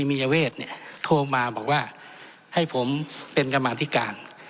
มียเวทเนี่ยโทรมาบอกว่าให้ผมเป็นกรรมาธิการ